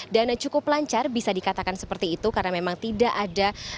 dan cukup lancar bisa dikatakan seperti itu karena memang tidak ada